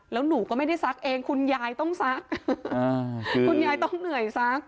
แล้วหนูก็ไม่ได้ซักเองคุณยายต้องซักคุณยายต้องเหนื่อยซัก